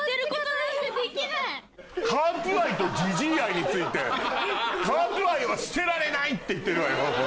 カープ愛とジジイ愛についてカープ愛は捨てられない！って言ってるわよ。